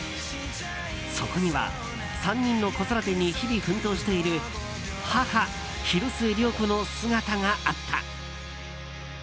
そこには、３人の子育てに日々奮闘している母・広末涼子の姿があった。